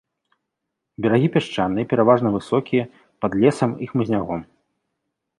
Берагі пясчаныя, пераважна высокія, пад лесам і хмызняком.